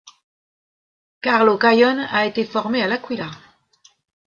Carlo Caione a été formé à L'Aquila.